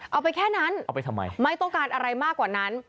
เอาไปแค่นั้นไม่ต้องการอะไรมากกว่านั้น